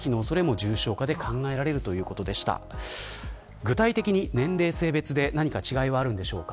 具体的に年齢、性別で何か違いはあるんでしょうか。